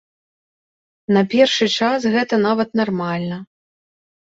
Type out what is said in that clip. На першы час гэта нават нармальна.